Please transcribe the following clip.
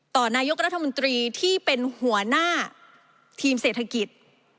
นายกรัฐมนตรีที่เป็นหัวหน้าทีมเศรษฐกิจ